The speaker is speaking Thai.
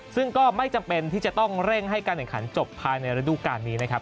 ซึ่งก็ไม่จำเป็นที่จะต้องเร่งให้การแข่งขันจบภายในฤดูการนี้นะครับ